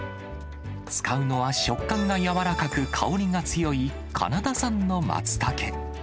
使うのは食感が柔らかく、香りが強いカナダ産のマツタケ。